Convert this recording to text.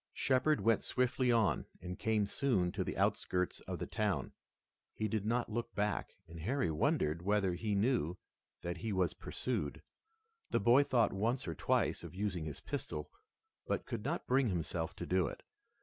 Shepard went swiftly on and came soon to the outskirts of the town. He did not look back and Harry wondered whether he knew that he was pursued. The boy thought once or twice of using his pistol, but could not bring himself to do it.